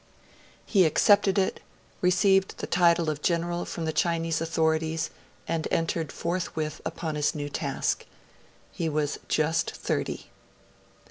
He accepted it, received the title of General from the Chinese authorities, and entered forthwith upon his new task. He was just thirty.